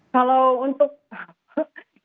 kalau untuk yang berbumbu bumbu itu